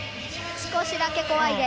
少しだけ怖いです。